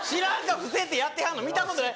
伏せてやってはんの見たことない？